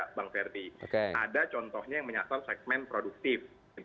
bang ferdi ada contohnya yang menyasar segmen produktif